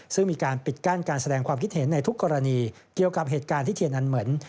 ซึ่งมีการปิดกั้นการแสดงความคิดเห็นในทุกกรณีเกี่ยวกับเหตุการณ์ที่เทียนอันเหมือน